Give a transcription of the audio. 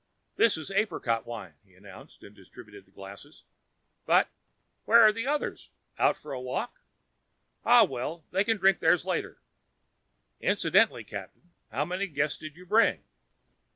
"This is apricot wine," he announced, distributing the glasses, "But where are the others? Out for a walk? Ah well, they can drink theirs later. Incidentally, Captain, how many Guests did you bring?